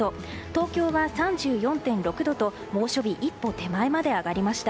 東京は３４．６度と猛暑日一歩手前まで上がりました。